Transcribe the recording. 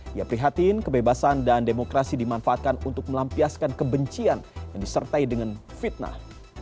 dia prihatin kebebasan dan demokrasi dimanfaatkan untuk melampiaskan kebencian yang disertai dengan fitnah